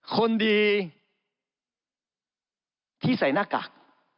คนดีที่ใส่หน้ากาก